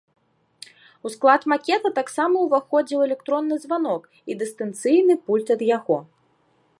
У склад макета таксама ўваходзіў электронны званок і дыстанцыйны пульт ад яго.